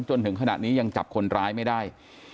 จนถึงขณะนี้ยังจับคนร้ายไม่ได้